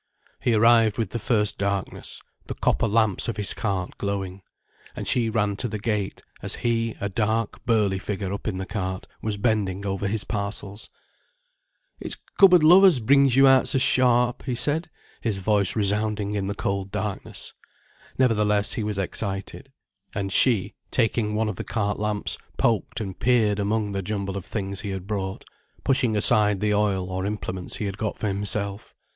He arrived with the first darkness, the copper lamps of his cart glowing. And she ran to the gate, as he, a dark, burly figure up in the cart, was bending over his parcels. "It's cupboard love as brings you out so sharp," he said, his voice resounding in the cold darkness. Nevertheless he was excited. And she, taking one of the cart lamps, poked and peered among the jumble of things he had brought, pushing aside the oil or implements he had got for himself.